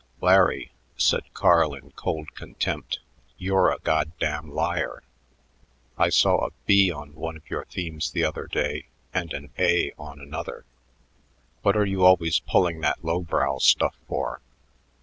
"Larry," said Carl in cold contempt, "you're a goddamn liar. I saw a B on one of your themes the other day and an A on another. What are you always pulling that low brow stuff for?"